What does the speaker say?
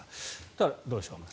ただ、どうでしょう。